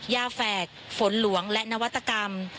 แฝกฝนหลวงและนวัตกรรม